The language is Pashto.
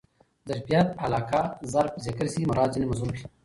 ظرفیت علاقه؛ ظرف ذکر سي مراد ځني مظروف يي.